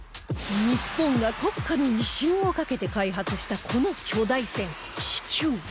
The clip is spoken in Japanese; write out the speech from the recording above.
日本が国家の威信をかけて開発したこの巨大船ちきゅう